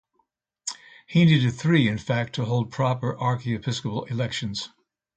He needed three in fact to hold proper Archiepiscopal elections.